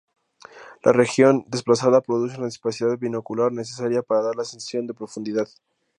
La región desplazada produce una disparidad binocular necesaria para dar la sensación de profundidad.